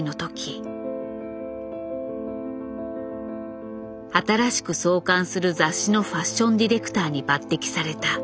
新しく創刊する雑誌のファッションディレクターに抜擢された。